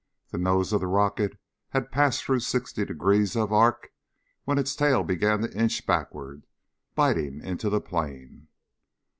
The nose of the rocket had passed through sixty degrees of arc when its tail began to inch backward, biting into the plain.